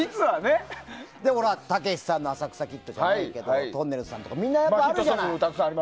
たけしさんの「浅草キッド」じゃないけどとんねるずさんとかみんなあるじゃない。